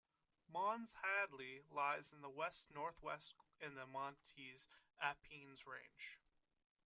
Mons Hadley lies to the west-northwest in the Montes Apenninus range.